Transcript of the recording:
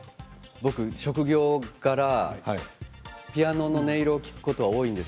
僕、職業柄ピアノの音色を聴くことは多いんです。